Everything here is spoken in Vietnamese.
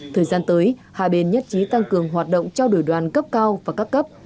thời gian tới hà bình nhất trí tăng cường hoạt động trao đổi đoàn cấp cao và cấp cấp